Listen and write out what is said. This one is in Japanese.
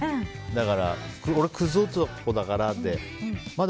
だから、俺クズ男だからで。